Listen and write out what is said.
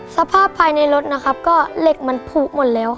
สภาพภายในรถนะครับก็เหล็กมันผูกหมดแล้วค่ะ